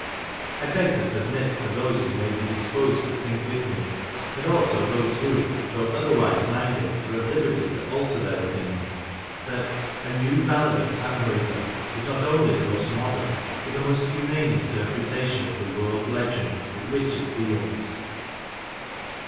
I beg to submit to those who may be disposed to think with me, and also those who, though other wise minded, are at liberty to alter their opinions, that "A new Ballad of Tannhauser " is not only the most modern, but the most humane interpretation of the world legend with which it deals.